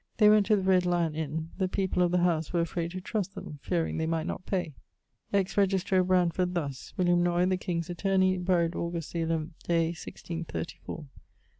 They went to the Red Lyon inne; the people of the house were afrayd to trust them, fearing they might not pay. Ex registro Brandford, thus: 'William Noy, the king's attorney, buried August the 11th day, 1634.'